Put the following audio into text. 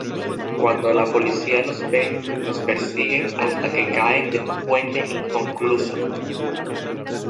Cuando la policía los ve, los persiguen hasta que caen de un puente inconcluso.